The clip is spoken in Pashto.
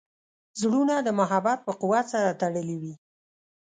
زړونه د محبت په قوت سره تړلي وي.